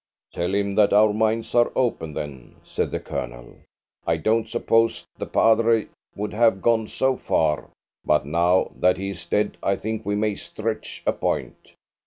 "Tell him that our minds are open, then," said the Colonel. "I don't suppose the padre would have gone so far, but now that he is dead I think we may stretch a point.